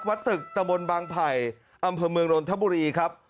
ตึกตะบนบางไผ่อำเภอเมืองนนทบุรีครับ